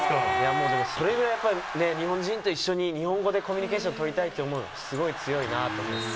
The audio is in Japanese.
もうでもそれぐらいやっぱり、日本人と一緒に日本語でコミュニケーション取りたいって思うの、すごい強いなと思います。